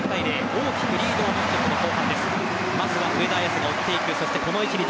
大きくリードを持ってこの後半です。